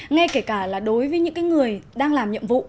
ngay kể cả là đối với những người đang làm nhiệm vụ